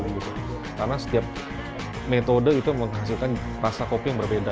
karena setiap metode itu menghasilkan rasa kopi yang berbeda